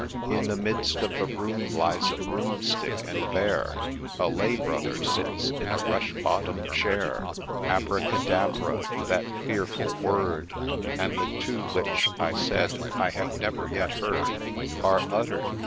In the midst of the room lies a Broomstick !— and there A Lay brother sits in a rush bottom'd chair Abracadabra, that fearful word, And the two which, I said, I have never yet heard, Are utter'd.